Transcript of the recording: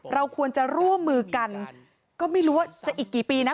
เราควรจะร่วมมือกันก็ไม่รู้ว่าจะอีกกี่ปีนะ